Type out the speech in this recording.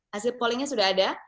hasil pollingnya sudah ada